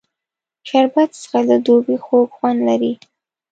شربت څښل د دوبي خوږ خوند لري